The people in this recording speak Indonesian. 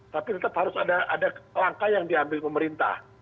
tapi tetap harus ada langkah yang diambil pemerintah